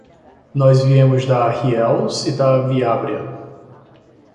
Nós viemos da Riells e da Viabrea.